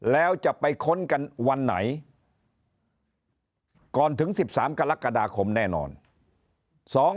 แล้วจะไปค้นกันวันไหนก่อนถึง๑๓กรกฎาคมแน่นอน